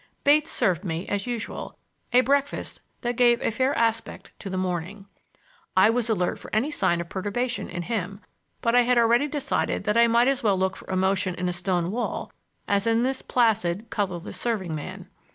Bates served me, as usual, a breakfast that gave a fair aspect to the morning. I was alert for any sign of perturbation in him; but I had already decided that I might as well look for emotion in a stone wall as in this placid, colorless serving man.